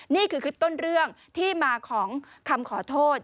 นี่คือคลิปต้นเรื่องที่มาของคำขอโทษ